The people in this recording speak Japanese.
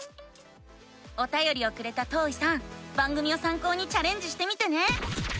おたよりをくれたとういさん番組をさん考にチャレンジしてみてね！